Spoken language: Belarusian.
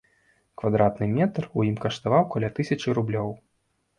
Квадратны метр у ім каштаваў каля тысячы рублёў.